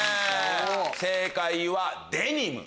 正解はデニム。